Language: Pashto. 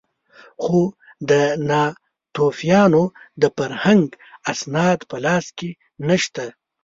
خو د ناتوفیانو د فرهنګ اسناد په لاس کې نه شته.